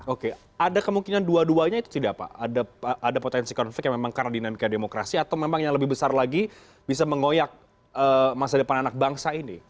oke ada kemungkinan dua duanya itu tidak pak ada potensi konflik yang memang karena dinamika demokrasi atau memang yang lebih besar lagi bisa mengoyak masa depan anak bangsa ini